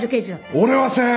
俺はせん！